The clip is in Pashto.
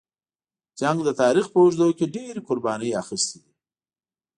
جنګ د تاریخ په اوږدو کې ډېرې قربانۍ اخیستې دي.